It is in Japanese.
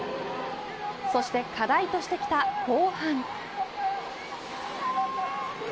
そして、課題としてきた後半。